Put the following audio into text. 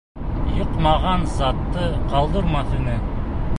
Йыҡмаған затты ҡалдырмаҫ ине.